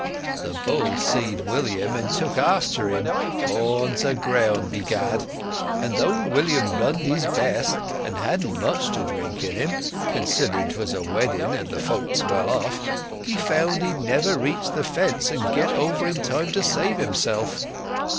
The bull seed William, and took after him, horns aground, begad; and though William runned his best, and hadn't much drink in him (considering 'twas a wedding, and the folks well off), he found he'd never reach the fence and get over in time to save himself.